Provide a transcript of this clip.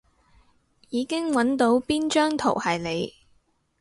已經搵到邊張圖係你